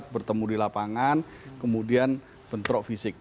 bertemu di lapangan kemudian bentrok fisik